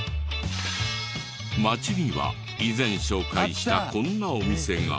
町には以前紹介したこんなお店が。